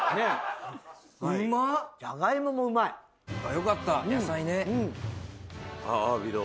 よかった野菜ね。